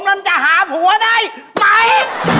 มันจะหาผัวได้ไหม